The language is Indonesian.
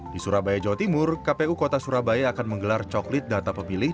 di surabaya jawa timur kpu kota surabaya akan menggelar coklit data pemilih